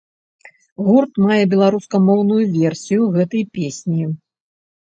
Гурт мае беларускамоўную версію гэтай песні.